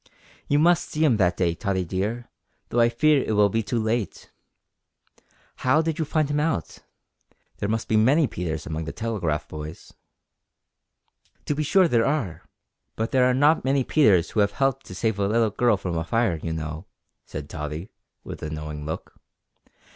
"You must see him that day, Tottie dear, though I fear it will be too late. How did you find him out? There must be many Peters among the telegraph boys." "To be sure there are, but there are not many Peters who have helped to save a little girl from a fire, you know," said Tottie, with a knowing look.